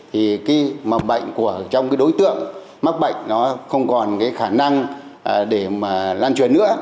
thì mắc bệnh trong đối tượng không còn khả năng để lan truyền nữa